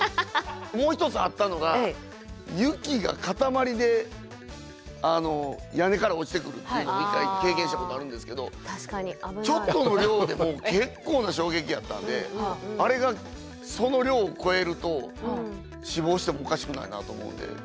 もう一つあったのが雪が塊で屋根から落ちてくるというのを一回経験したことあるんですけどちょっとの量でも結構な衝撃やったんであれがその量を超えると死亡してもおかしくないなと思うんで。